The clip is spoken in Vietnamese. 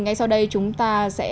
ngay sau đây chúng ta sẽ